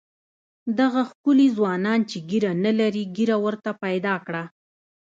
دغه ښکلي ځوانان چې ږیره نه لري ږیره ورته پیدا کړه.